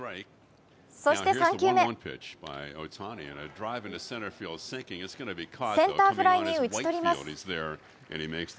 そして３球目、センターフライに打ち取ります。